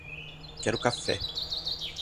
Quero café